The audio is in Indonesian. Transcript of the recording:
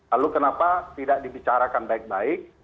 lalu kenapa tidak dibicarakan baik baik